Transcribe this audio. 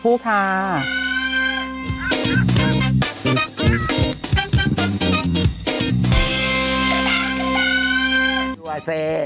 ขอบคุณผู้พา